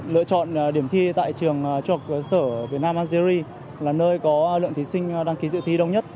lựa chọn điểm thi tại trường trọc sở việt nam algeria là nơi có lượng thí sinh đăng ký dự thi đông nhất